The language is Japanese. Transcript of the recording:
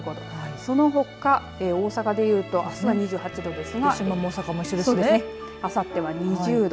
そのほか、大阪でいうとあす２８度ですがあさっては２０度。